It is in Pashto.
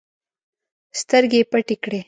سترګې يې پټې کړې.